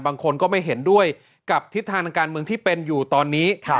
บางคนก็ไม่เห็นด้วยกับทิศทางทางการเมืองที่เป็นอยู่ตอนนี้